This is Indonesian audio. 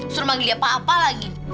suruh manggil dia papa lagi